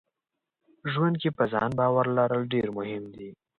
ژوند کې په ځان باور لرل ډېر مهم دي.